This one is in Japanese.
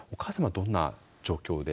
どんな状況で？